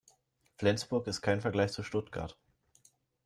Flensburg ist kein Vergleich zu Stuttgart